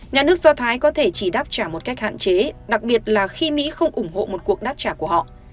nhà nước do thái có thể chỉ đáp trả một cách hạn chế đặc biệt là khi mỹ không ủng hộ một cuộc đáp trả của họ